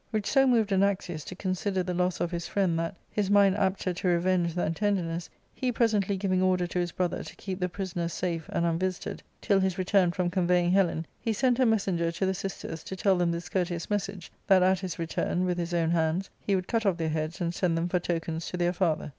Which so moved Anaxius to consider the loss of his friend that, his mind apter to revenge than tender ness, he presently giving order to his brother to keep the prisoners safe and unvisited till his return from conveying 362 ARCADIA.—Book IIL Helen, he sent a messenger to the sisters to tell them this courteous message : that at his return, with his own hands, he would cut off their heads and send them for tokens to their father.